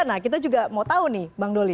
nah kita juga mau tahu nih bang doli